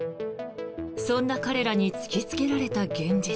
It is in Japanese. そんな彼らに突きつけられた現実。